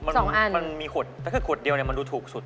มันมีขวดแต่คือขวดเดียวเนี่ยมันดูถูกสุด